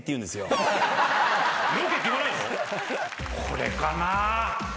これかな。